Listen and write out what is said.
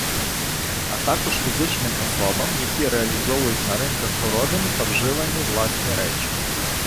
А також фізичним особам, які реалізовують на ринках городину та вживані власні речі.